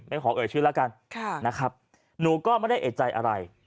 ขอเอ่ยชื่อแล้วกันนะครับหนูก็ไม่ได้เอกใจอะไร